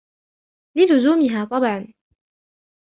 لِلُزُومِهَا طَبْعًا